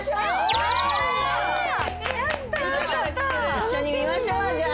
一緒に見ましょうじゃあ！